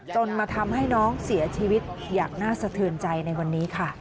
จนมาทำให้น้องเสียชีวิตอย่างน่าสะเทือนใจในวันนี้ค่ะ